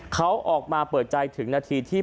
เขาออกมาเปิดใจถึงนาทีที่